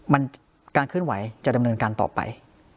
มันการเคลื่อนไหวจะดำเนินการต่อไป